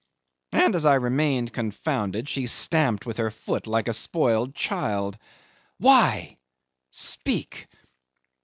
And as I remained confounded, she stamped with her foot like a spoilt child. "Why? Speak."